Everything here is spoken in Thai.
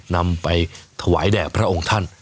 นำไปถวายแด่พระองค์ท่าน